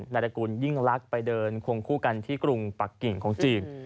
นารกุลยิ่งลักษณ์ไปเดินควงคู่กันที่กรุงปักกิ่งของจีน